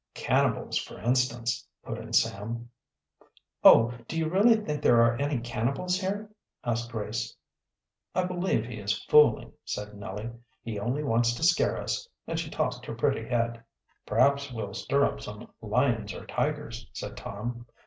"Cannibals, for instance," put in Sam. "Oh, do you really think there are any cannibals here?" asked Grace. "I believe he is fooling," said Nellie. "He only wants to scare us!" And she tossed her pretty head. "Perhaps we'll stir up some lions or tigers," said Tom.